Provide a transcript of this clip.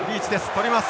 捕ります。